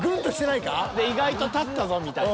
［で意外と立ったぞみたいな］